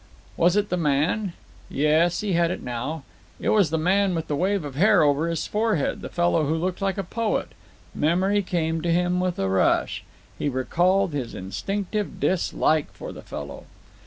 Was it the man—yes, he had it now. It was the man with the wave of hair over his forehead, the fellow who looked like a poet. Memory came to him with a rush. He recalled his instinctive dislike for the fellow.